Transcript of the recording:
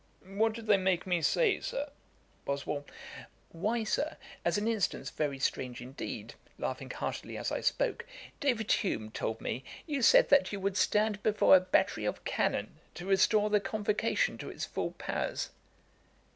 'What do they make me say, Sir?' BOSWELL. 'Why, Sir, as an instance very strange indeed, (laughing heartily as I spoke,) David Hume told me, you said that you would stand before a battery of cannon, to restore the Convocation to its full powers.'